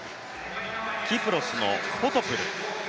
キプロスのフォトプル。